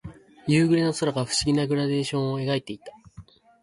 夕暮れの空が不思議なグラデーションを描いていた。